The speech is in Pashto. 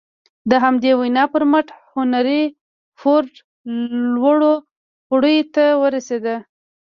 د همدې وينا پر مټ هنري فورډ لوړو پوړيو ته ورسېد.